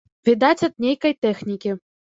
Відаць, ад нейкай тэхнікі.